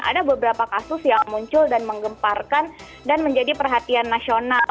ada beberapa kasus yang muncul dan menggemparkan dan menjadi perhatian nasional